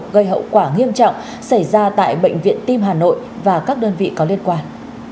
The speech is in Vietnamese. gây hậu quả nghiêm trọng xảy ra tại bệnh viện tim hà nội và các đơn vị có liên quan